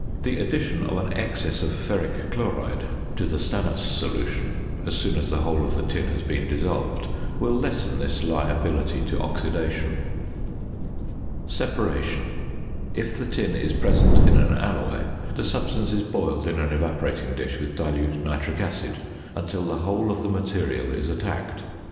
The addition of an excess of ferric chloride to the stannous solution, as soon as the whole of the tin has been dissolved, will lessen this liability to oxidation. ~Separation.~ If the tin is present in an alloy, the substance is boiled in an evaporating dish with dilute nitric acid until the whole of the material is attacked.